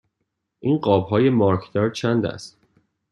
این قاب های مارکدار چند است؟